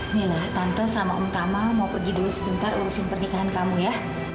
inilah tante sama om kama mau pergi dulu sebentar lurusin pernikahan kamu ya